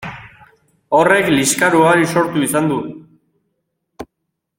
Horrek liskar ugari sortu izan du.